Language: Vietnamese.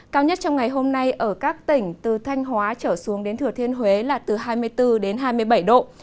cao nhất trong ngày hôm nay ở các tỉnh từ thanh hóa trở xuống đến thừa thiên huế là từ hai mươi bốn đến hai mươi bảy độ